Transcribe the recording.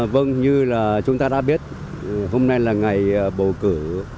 vâng như là chúng ta đã biết hôm nay là ngày bầu cử